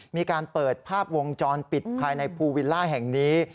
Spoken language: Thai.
มีการเปิดภาพวงจรปิดภายในภูวิลล่าแห่งนี้